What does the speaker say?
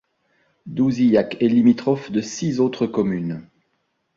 Douzillac est limitrophe de six autres communes.